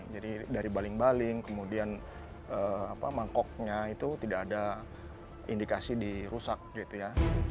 jadi dari baling baling kemudian mangkoknya itu tidak ada indikasi di rusak gitu ya